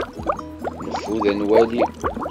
Neffud ad nwali.